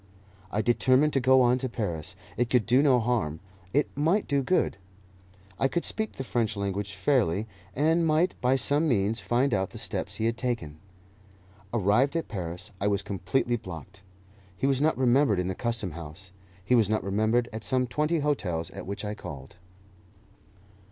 I determined to go on to Paris; it could do no harm, it might do good. I could speak the French language fairly, and might, by some means, find out the steps he had taken. Arrived at Paris, I was completely blocked. He was not remembered in the Custom House; he was not remembered at some twenty hotels at which I called.